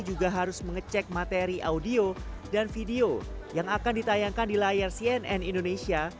juga harus mengecek materi audio dan video yang akan ditayangkan di layar cnn indonesia